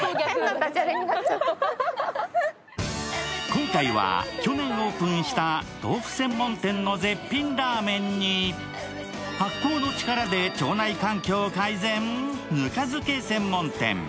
今回は去年オープンした豆腐専門店の絶品ラーメンに、発酵の力で腸内環境を改善、ぬか漬け専門店。